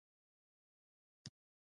هغوی باید کوم سیاسي اړخ ته میلان ونه لري.